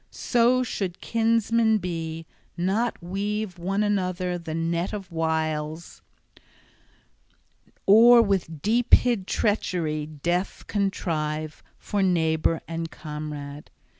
So should kinsmen be, not weave one another the net of wiles, or with deep hid treachery death contrive for neighbor and comrade.